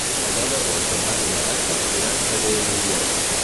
El deu d'agost en Dan i na Berta iran a Benilloba.